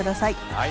はい。